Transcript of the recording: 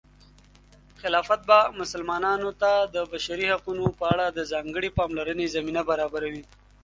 خلافت به مسلمانانو ته د بشري حقونو په اړه د ځانګړې پاملرنې زمینه برابروي.